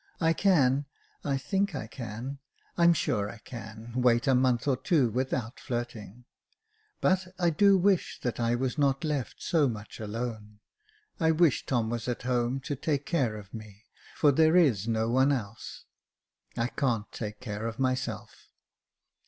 I can, I think I can — I'm sure I can wait a month or two without flirting. But, I do wish that I was not left so much alone. I wish Tom was at home to take care of me, for there is no one else. I can't take care of myself."